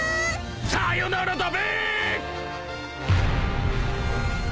さよならだべ！